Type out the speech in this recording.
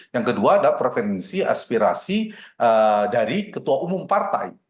yang kedua ada preferensi aspirasi dari ketua umum partai